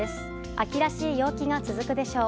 秋らしい陽気が続くでしょう。